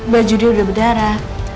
baju dia udah berdarah